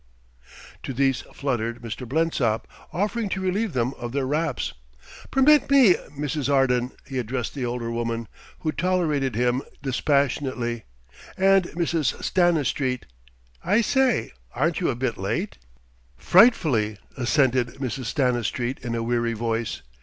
To these fluttered Mr. Blensop, offering to relieve them of their wraps. "Permit me, Mrs. Arden," he addressed the elder woman, who tolerated him dispassionately. "And Mrs. Stanistreet ... I say, aren't you a bit late?" "Frightfully," assented Mrs. Stanistreet in a weary voice.